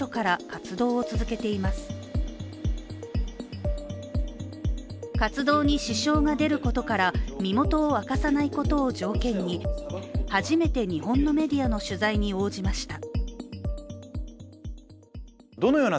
活動に支障が出ることから身元を明かさないことを条件に初めて日本のメディアの取材に応じました。